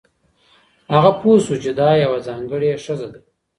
هغه پوه شو چې دا یوه ځانګړې ښځه ده.